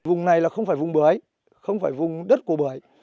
vùng này là không phải vùng bưởi không phải vùng đất của bưởi